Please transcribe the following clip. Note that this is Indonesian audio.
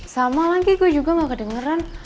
sama lagi gue juga gak kedengeran